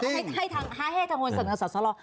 ให้ทางให้ทางคนสนับสอสลอ